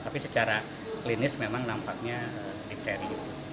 tapi secara klinis memang nampaknya dipteri